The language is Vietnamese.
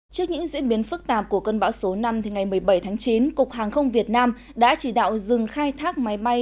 trước những diễn biến phức tạp của cơn bão số năm ngày một mươi bảy tháng chín cục hàng không việt nam đã chỉ đạo dừng khai thác máy bay